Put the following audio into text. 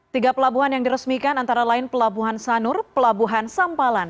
tiga pelabuhan yang diresmikan antara lain pelabuhan sanur pelabuhan sampalan